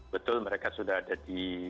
betul mereka sudah ada di